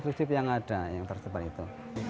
jadi mungkin prinsip yang ada yang tersebar itu